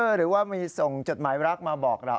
หรือว่ามีส่งจดหมายรักมาบอกเรา